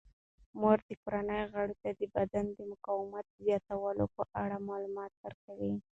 مور د کورنۍ غړو ته د بدن د مقاومت زیاتولو په اړه معلومات ورکوي.